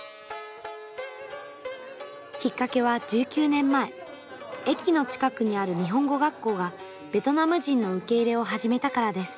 きっかけは１９年前駅の近くにある日本語学校がベトナム人の受け入れを始めたからです。